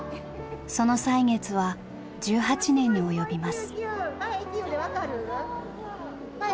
その歳月は１８年に及びます。